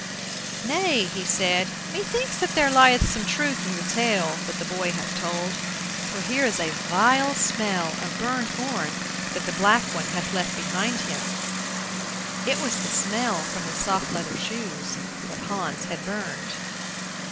"Nay," said he, "me thinks that there lieth some truth in the tale that the boy hath told, for here is a vile smell of burned horn that the black one bath left behind him." It was the smell from the soft leather shoes that Hans had burned.